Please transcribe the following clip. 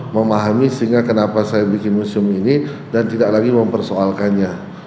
memahami sehingga kenapa saya bikin museum ini dan tidak lagi mempersoalkannya